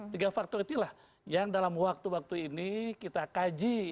tiga faktor itulah yang dalam waktu waktu ini kita kaji